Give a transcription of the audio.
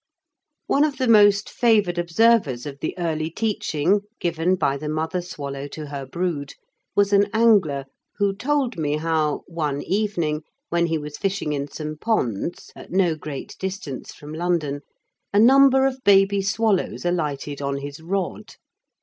One of the most favoured observers of the early teaching given by the mother swallow to her brood was an angler who told me how, one evening when he was fishing in some ponds at no great distance from London, a number of baby swallows alighted on his rod.